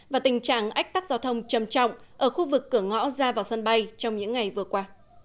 và tình trạng ách tắc giao thông trầm trọng ở khu vực cửa ngõ ra vào sân bay trong những ngày vừa qua